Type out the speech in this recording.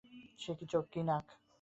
সে কী চোখ, কী নাক!